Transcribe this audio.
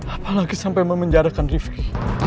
apalagi sampai memenjarakan rifqi